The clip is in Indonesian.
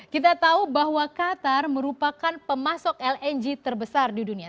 kita tahu bahwa qatar merupakan pemasok lng terbesar di dunia